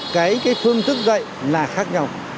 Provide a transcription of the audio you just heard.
cái phương thức dạy là khác nhau